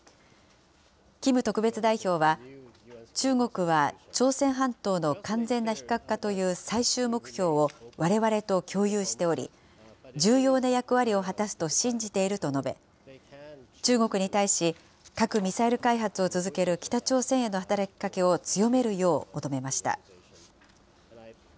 キム特別代表は、中国は朝鮮半島の完全な非核化という最終目標をわれわれと共有しており、重要な役割を果たすと信じていると述べ、中国に対し、核・ミサイル開発を続ける北朝鮮への働きかけを強めるよう求めました。